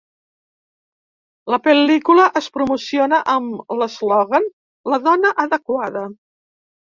La pel·lícula es promociona amb l'eslògan "La dona adequada".